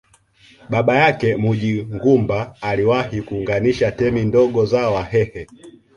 Baba yake Munyingumba aliwahi kuunganisha temi ndogo za Wahehe